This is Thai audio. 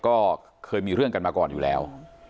ก็เคยมีเรื่องกันมาก่อนอยู่แล้ว